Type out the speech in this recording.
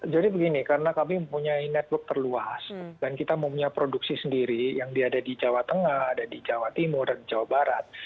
jadi begini karena kami mempunyai network terluas dan kita mempunyai produksi sendiri yang diada di jawa tengah di jawa timur di jawa barat